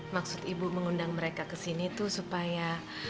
maksud ibu mengundang mereka ke sini tuh supaya